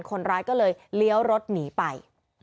คนร้ายก็เลยเลี้ยวรถหนีไป